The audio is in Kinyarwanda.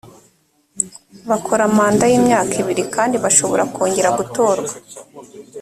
bakora manda y’imyaka ibiri kandi bashobora kongera gutorwa